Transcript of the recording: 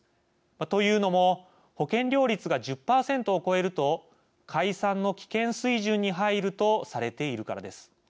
というのも保険料率が１０％を超えると解散の危険水準に入るとされているからです。